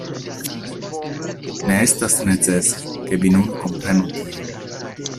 Ne estas necese, ke vi nun komprenu tion.